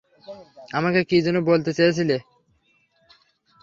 আমাকে কী যেন বলতে চেয়েছিলে!